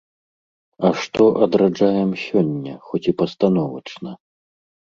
А што адраджаем сёння, хоць і пастановачна?